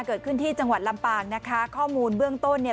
เกิดขึ้นที่จังหวัดลำปางนะคะข้อมูลเบื้องต้นเนี่ย